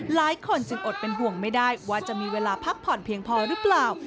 หลายคนจึงอดเป็นห่วงไม่ได้ว่าจะมีเวลาพักผ่อนเพียงพอหรือเปล่า